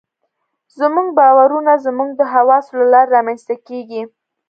زموږ باورونه زموږ د حواسو له لارې رامنځته کېږي.